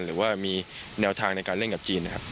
หรือว่ามีแนวทางในการเล่นกับจีนนะครับ